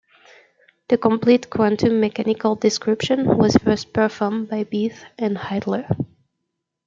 The complete quantum mechanical description was first performed by Bethe and Heitler.